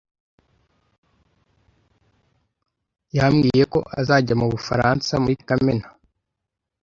Yambwiye ko azajya mu Bufaransa muri Kamena.